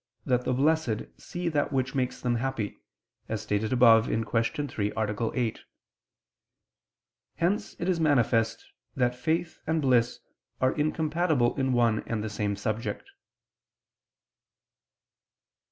that the Blessed see that which makes them happy, as stated above (Q. 3, A. 8). Hence it is manifest that faith and bliss are incompatible in one and the same subject.